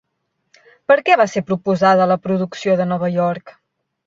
Per què va ser posposada la producció de Nova York?